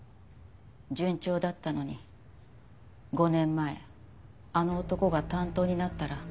順調だったのに５年前あの男が担当になったら契約を切られて。